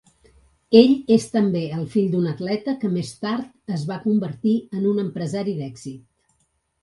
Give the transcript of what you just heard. Ell és també el fill d'un atleta que més tard es va convertir en un empresari d'èxit.